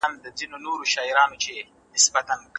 په تېر وخت کي فکري زغم تر اوس کم وو.